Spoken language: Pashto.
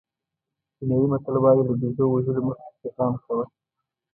کینیايي متل وایي له بېزو وژلو مخکې پرې پام کوه.